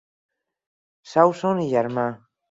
Swanson i germà.